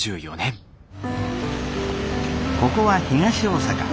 ここは東大阪。